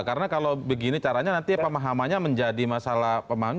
karena kalau begini caranya nanti pemahamannya menjadi masalah pemahaman